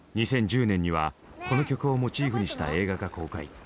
２０１０年にはこの曲をモチーフにした映画が公開。